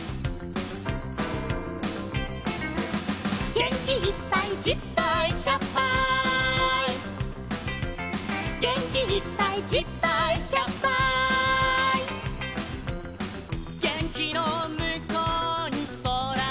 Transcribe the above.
「げんきいっぱいじっぱいひゃっぱい」「げんきいっぱいじっぱいひゃっぱい」「げんきのむこうにそらがある」